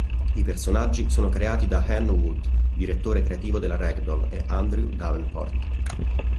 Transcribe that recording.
I personaggi sono creati da Anne Wood, direttore creativo della Ragdoll, e Andrew Davenport.